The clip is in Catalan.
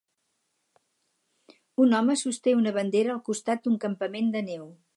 Un home sosté una bandera al costat d'un campament de neu.